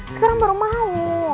sekarang baru mau